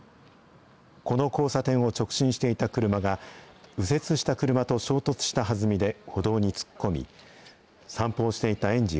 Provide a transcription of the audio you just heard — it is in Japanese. この交差点を直進していた車が、右折した車と衝突したはずみで歩道に突っ込み、散歩をしていた園児